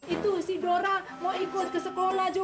itu si dora mau ikut ke sekolah juga